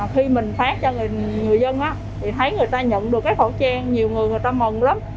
thì thấy người ta nhận được cái khẩu trang nhiều người người ta mừng lắm